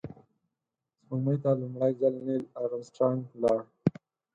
سپوږمۍ ته لومړی ځل نیل آرمسټرانګ لاړ